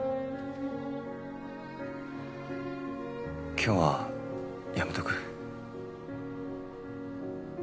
今日はやめとく？